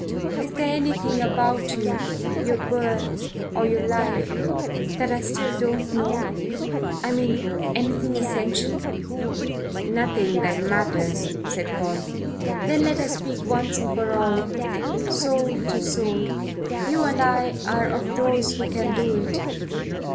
Is there anything about you, your birth or your life that I still don't know I mean, anything essential?" "Nothing that matters," said Paul. "Then let us speak once and for all, soul to soul. You and I are of those who can do it.